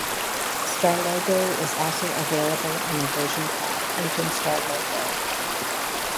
StarLogo is also available in a version called OpenStarLogo.